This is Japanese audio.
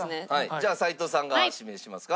じゃあ齊藤さんが指名しますか。